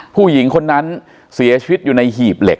ผู้หญิงคนนั้นเสียชีวิตอยู่ในหีบเหล็